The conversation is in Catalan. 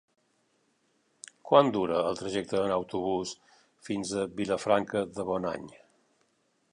Quant dura el trajecte en autobús fins a Vilafranca de Bonany?